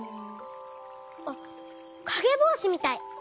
あっかげぼうしみたい！